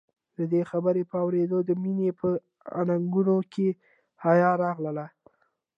د دې خبرې په اورېدو د مينې په اننګو کې حيا راغله.